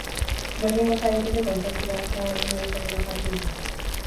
Berdin goza daiteke kontzertu bat, grabatzen ari zarela jakinda?